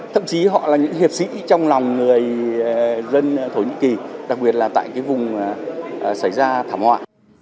thậm chí họ là những hiệp sĩ trong lòng người dân thổ nhĩ kỳ đặc biệt là tại cái vùng xảy ra thảm họa